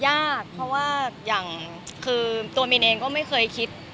ยากเพราะว่าอย่างคือตัวมินเองก็ไม่เคยคิด